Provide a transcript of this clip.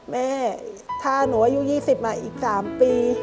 แม่ถ้าหนูอายุ๒๐มาอีก๓ปี